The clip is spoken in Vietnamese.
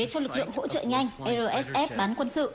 cho lực lượng hỗ trợ nhanh rsf bán quân sự